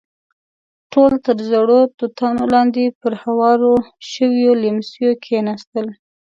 ټول تر زړو توتانو لاندې پر هوارو شويو ليمڅيو کېناستل.